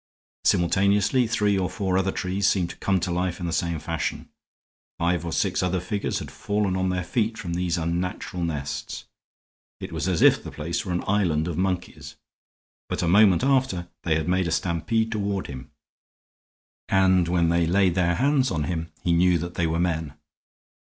Simultaneously three or four other trees seemed to come to life in the same fashion. Five or six other figures had fallen on their feet from these unnatural nests. It was as if the place were an island of monkeys. But a moment after they had made a stampede toward him, and when they laid their hands on him he knew that they were men.